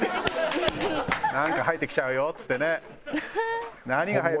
「なんか生えてきちゃうよ」っつってね。